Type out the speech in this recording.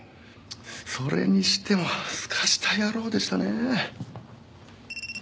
それにしてもすかした野郎でしたね。